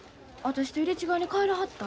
私と入れ違いに帰らはった。